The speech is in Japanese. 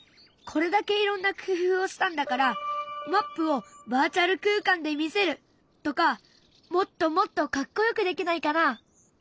これだけいろんな工夫をしたんだからマップをバーチャル空間で見せるとかもっともっとかっこよくできないかな？